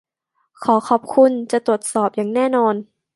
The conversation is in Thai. ขอขอบคุณ. จะตรวจสอบอย่างแน่นอน